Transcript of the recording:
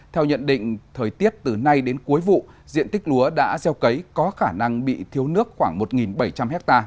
theo nhận định thời tiết từ nay đến cuối vụ diện tích lúa đã gieo cấy có khả năng bị thiếu nước khoảng một bảy trăm linh ha